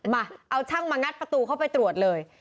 มาเอาช่างมางัดประตูเข้าไปตรวจเลย